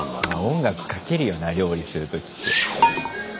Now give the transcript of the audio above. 音楽かけるよな料理する時って。